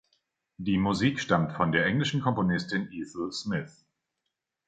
Die Musik stammt von der englischen Komponistin Ethel Smyth.